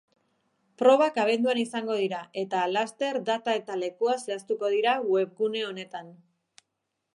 Probak abenduan izango dira eta laster data eta lekua zehaztuko dira webgune honetan.